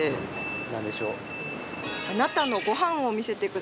何でしょう？